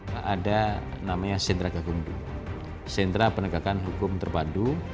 pertama kita harus memiliki sentra gak kumdu sentra penegakan hukum terpadu